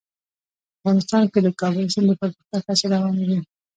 افغانستان کې د د کابل سیند د پرمختګ هڅې روانې دي.